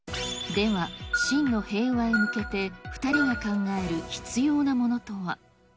では、真の平和へ向けて、２人が考える必要なものとは。